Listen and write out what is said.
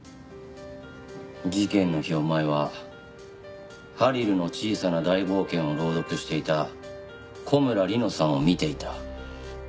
事件の日お前は『ハリルのちいさなだいぼうけん』を朗読していた小村理乃さんを見ていた。